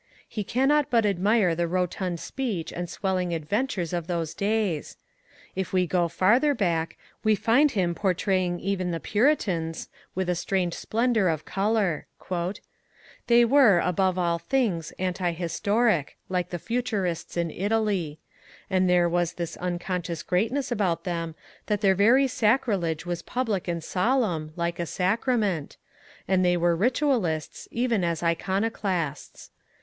He cannot but admire the rotund speech and swelling adventures of those days. If we go farther back, we find him portraying even the Puritans with a strange splendour of colour: They were, above all things, anti historic, like the Futurists in Italy; and there was this unconscious greatness about them, that their very sacrilege was public and solemn, like a sacrament; and they were ritualists even as iconoclasts.